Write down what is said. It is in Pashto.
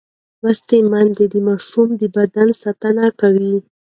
لوستې میندې د ماشوم د بدن ساتنه کوي.